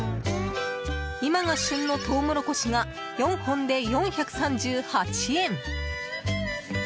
今が旬のトウモロコシが４本で４３８円。